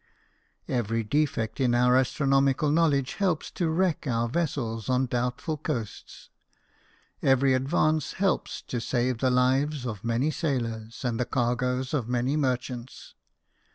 Every defect in our astronomical knowledge helps . to wreck our vessels on doubtful coasts ; every advance helps to save the lives of many sailors and the cargoes of many merchants.